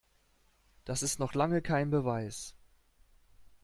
Das ist noch lange kein Beweis.